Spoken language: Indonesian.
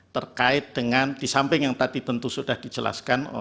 terkait dengan di samping yang tadi tentu sudah dijelaskan